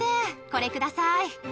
これください。